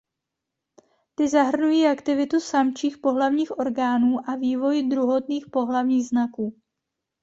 Ty zahrnují aktivitu samčích pohlavních orgánů a vývoj druhotných pohlavních znaků.